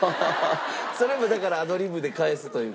それもだからアドリブで返すというか。